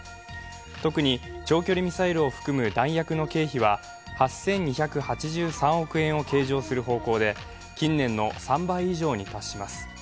特に長距離ミサイルを含む弾薬の経費は８２８３億円を計上する方針で金ねんんの３倍以上に達します。